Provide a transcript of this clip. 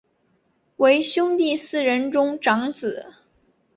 为兄弟四人中长子。